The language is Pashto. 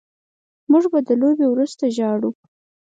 موږ به د لوبې وروسته ژاړو